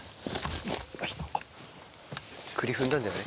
栗踏んだんじゃない？